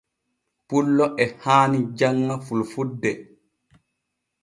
Pullo e haani janŋa fulfulde.